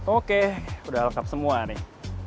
oke udah lengkap semua nih